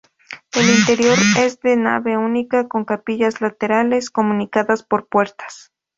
El interior es de nave única con capillas laterales comunicadas por puertas.